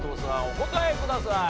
お答えください。